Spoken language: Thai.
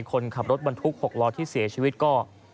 คนขับรถบรรทุก๖ล้อที่เสียชีวิตก็